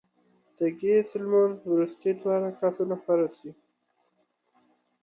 د ګهیځ لمونځ وروستي دوه رکعتونه فرض دي